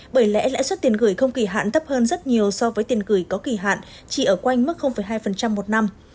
bởi lẽ lãi suất tiền gửi không kỳ hạn thấp hơn rất nhiều so với tiền gửi có kỳ hạn chỉ ở quanh mức hai một năm